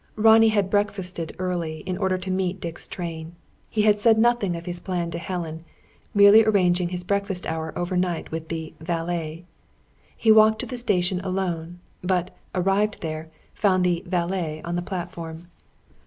Ronnie had breakfasted early, in order to meet Dick's train. He had said nothing of his plan to Helen, merely arranging his breakfast hour overnight with the "valet." He walked to the station alone; but, arrived there, found the "valet" on the platform.